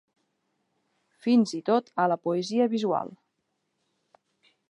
Fins i tot a la poesia visual.